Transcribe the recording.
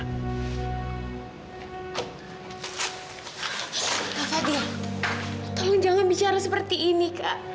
kak fadil tolong jangan bicara seperti ini kak